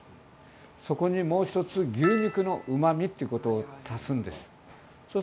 そこにもう１つ牛肉のうまみを足すんです。